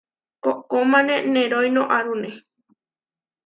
Koʼkómane neroínoarune.